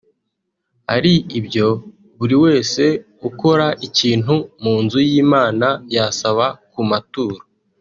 ari ibyo buri wese ukora ikintu mu nzu y'Imana yasaba ku maturo